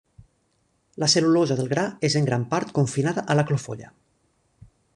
La cel·lulosa del gra és en gran part confinada a la clofolla.